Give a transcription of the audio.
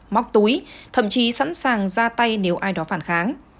móc túi thậm chí sẵn sàng ra tay nếu ai đó phản kháng